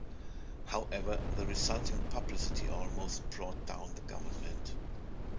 However, the resulting publicity almost brought down the government.